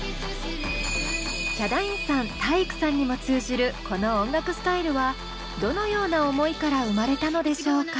ヒャダインさん体育さんにも通じるこの音楽スタイルはどのような思いから生まれたのでしょうか？